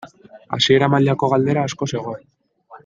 Hasiera mailako galdera asko zegoen.